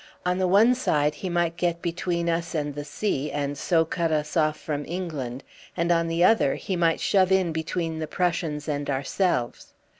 On the one side he might get between us and the sea, and so cut us off from England; and on the other he might shove in between the Prussians and ourselves.